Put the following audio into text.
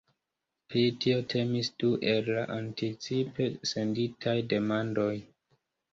Pri tio temis du el la anticipe senditaj demandoj.